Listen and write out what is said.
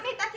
oh udah ya